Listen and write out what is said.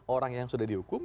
orang yang sudah dihukum